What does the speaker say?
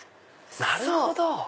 なるほど！